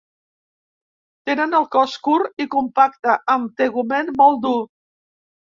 Tenen el cos curt i compacte, amb tegument molt dur.